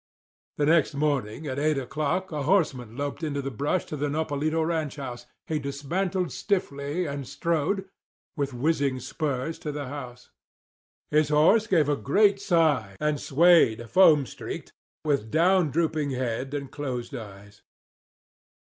The next morning at eight o'clock a horseman loped out of the brush to the Nopalito ranch house. He dismounted stiffly, and strode, with whizzing spurs, to the house. His horse gave a great sigh and swayed foam streaked, with down drooping head and closed eyes.